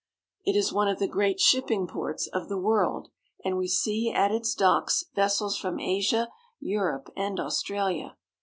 It is one of the great shipping ports of the world, and we see at its docks vessels from Asia, Europe, and Australia.